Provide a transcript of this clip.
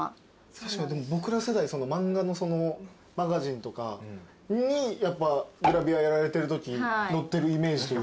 確かに僕ら世代漫画のその『マガジン』とかにグラビアやられてるとき載ってるイメージというか。